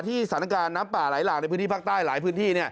สถานการณ์น้ำป่าไหลหลากในพื้นที่ภาคใต้หลายพื้นที่